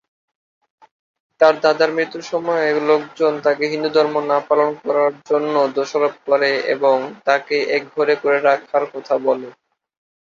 তার দাদার মৃত্যুর সময়ে লোকজন তাকে হিন্দু ধর্ম না পালনের জন্য দোষারোপ করে এবং তাকে একঘরে করে রাখার কথা বলে।